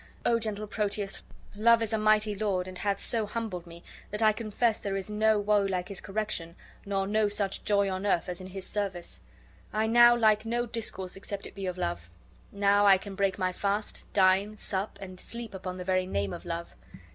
O gentle Proteus, Love is a mighty lord, and hath so humbled me that I confess there is no woe like his correction nor no such joy on earth as in his service. I now like no discourse except it be of love. Now I can break my fast, dine, sup, and sleep upon the very name of love."